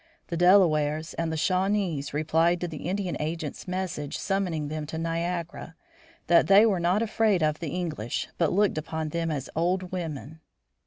The Delawares and the Shawnees replied to the Indian agent's message summoning them to Niagara, that they were not afraid of the English, but looked upon them as old women.